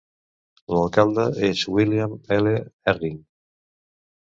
L'alcalde és William L. Herring.